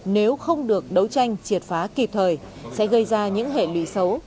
nếu không được đấu tranh triệt phá kịp thời sẽ gây ra những hệ lụy xấu